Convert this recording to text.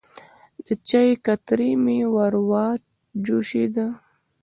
د چای کتری مې وروه جوشېده.